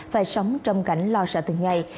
phải sống trong cảnh lo sợ từng ngày